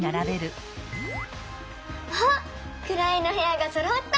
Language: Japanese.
あっくらいのへやがそろった！